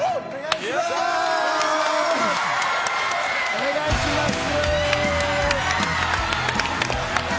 お願いします。